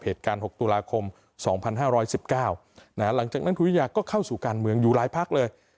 เหตุการณ์๖ตุลาคม๒๕๑๙หลังจากนั้นคุณวิทยาก็เข้าสู่การเมืองอยู่หลายพักเลย